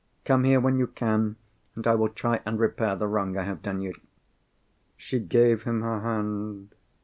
Come here when you can, and I will try and repair the wrong I have done you." She gave him her hand.